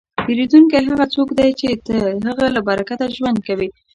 پیرودونکی هغه څوک دی چې ته د هغه له برکته ژوند کوې.